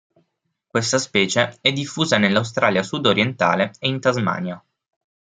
Questa specie è diffusa nell'Australia sud-orientale e in Tasmania.